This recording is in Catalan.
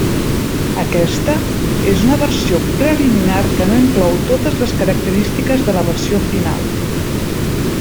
Aquesta és una versió preliminar que no inclou totes les característiques de la versió final.